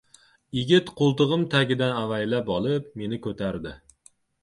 Yigit qo‘ltig‘im tagidan avaylab olib, meni ko‘tardi.